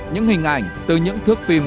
những hình ảnh từ những thước phim